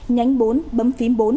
nhánh bốn bấm phím bốn